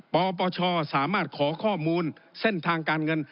ปปชสามารถขอข้อมูลเส้นทางการเงิน